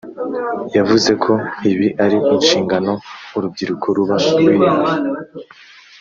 yavuze ko ibi ari inshingano urubyiruko ruba rwihaye